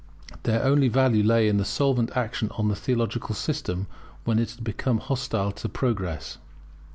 Their only value lay in their solvent action on the theological system when it had become hostile to progress.